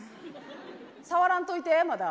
触らんといてまだ。